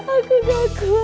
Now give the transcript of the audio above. aku gak kuat